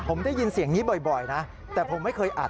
ผมได้ยินเสียงนี้บ่อยนะแต่ผมไม่เคยอัด